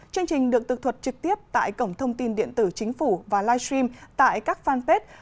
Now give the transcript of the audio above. chương trình được thực thuật trực tiếp tại cổng thông tin điện tử chính phủ và livestream tại các fanpage